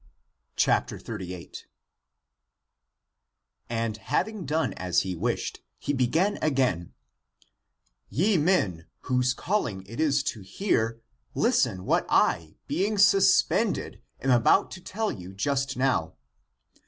^^^ 38. (9) Having done as he wished, he began again: ^"^ "Ye men, whose calling it is to hear, listen W'hat I, being suspended, am about to tell you just now.